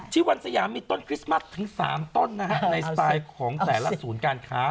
ที่วันสยามมีต้นคริสต์มัสถึง๓ต้นนะฮะในสไตล์ของแต่ละศูนย์การค้า